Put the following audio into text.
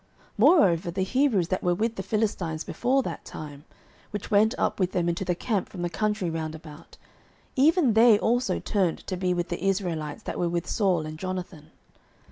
09:014:021 Moreover the Hebrews that were with the Philistines before that time, which went up with them into the camp from the country round about, even they also turned to be with the Israelites that were with Saul and Jonathan.